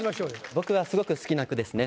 僕はすごく好きな句ですね。